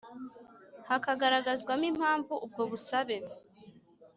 Hakagaragazwamo impamvu ubwo busabe